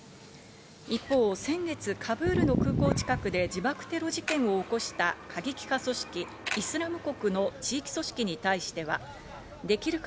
一方、先月カブールの空港近くで自爆テロ事件を起こした過激派組織「イスラム国」の地域組織に対してはできる限